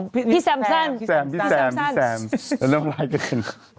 พี่แซมพี่แซมพี่แซมแล้วเริ่มไล่กระเทิง